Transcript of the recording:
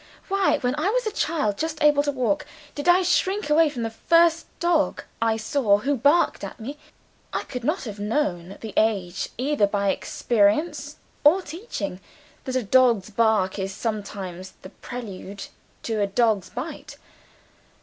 "Why, when I was a child just able to walk, did I shrink away from the first dog I saw who barked at me? I could not have known, at that age, either by experience or teaching, that a dog's bark is sometimes the prelude to a dog's bite.